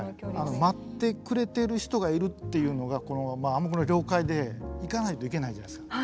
待ってくれてる人がいるっていうのが暗黙の了解で行かないといけないじゃないですか。